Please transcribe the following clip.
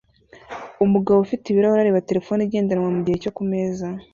umugabo ufite ibirahure areba terefone igendanwa mugihe cyo kumeza